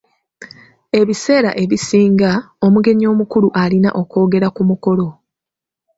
Ebiseera ebisinga, omugenyi omukulu alina okwogera ku mukolo.